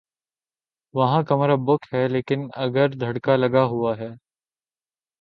وہاں کمرہ بک ہے لیکن اگر دھڑکا لگا ہوا ہے۔